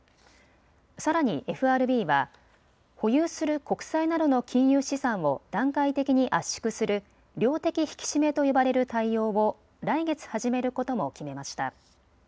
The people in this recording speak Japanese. さらにＦＲＢは保有する国債などの金融資産を段階的に圧縮する量的引き締めと呼ばれる対応を来月始めることも決めました。